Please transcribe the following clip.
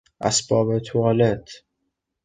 اسباب توالت